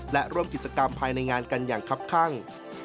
และร่วมกิจกรรมภายในงานกันอย่างคับข้าง